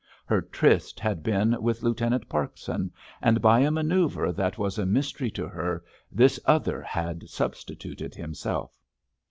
Her tryst had been with Lieutenant Parkson, and by a manoeuvre that was a mystery to her this other had substituted himself....